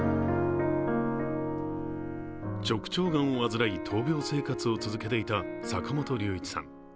直腸がんを患い、闘病生活を続けていた坂本龍一さん。